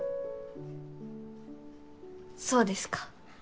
そうですか。